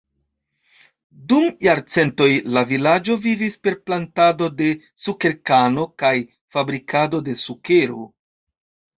Dum jarcentoj, la vilaĝo vivis per plantado de sukerkano kaj fabrikado de sukero.